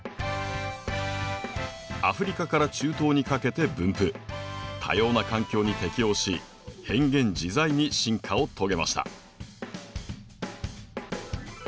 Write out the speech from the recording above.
アフリカから中東にかけて分布多様な環境に適応し変幻自在に進化を遂げました。